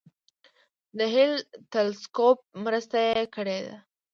د هبل تلسکوپ مرسته یې کړې ده.